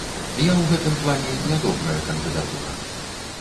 Я ў гэтым плане не добрая кандыдатура.